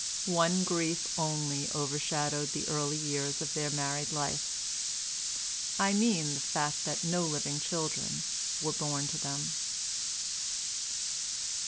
One grief only overshadowed the early years of their married life: I mean the fact that no living children were born to them.